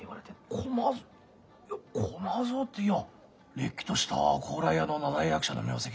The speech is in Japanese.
・高麗蔵いや高麗蔵っていやれっきとした高麗屋の名題役者の名跡だ。